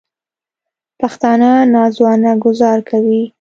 پښتانه نا ځوانه ګوزار کوي